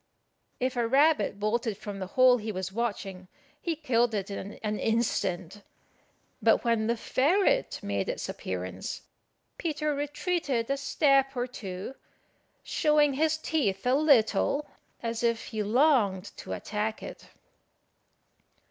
If a rabbit bolted from the hole he was watching, he killed it in an instant; but when the ferret made its appearance, Peter retreated a step or two, showing his teeth a little as if he longed to attack it.